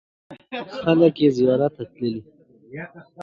خلک یې زیارت ته تللي.